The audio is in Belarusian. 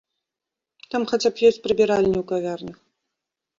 Там хаця б ёсць прыбіральні ў кавярнях!